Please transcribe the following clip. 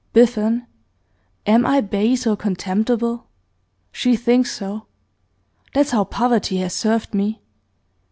Biffen, am I base or contemptible? She thinks so. That's how poverty has served me.